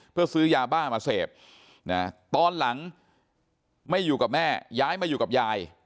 เพื่อซื้อยาบ้ามาเสพตอนหลังไม่อยู่กับแม่ย้ายมาอยู่กับยาย